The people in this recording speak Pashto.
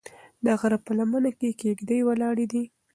د غره په لمنه کې کيږدۍ ولاړې دي.